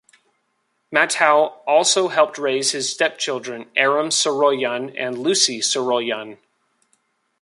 Matthau also helped raise his stepchildren, Aram Saroyan and Lucy Saroyan.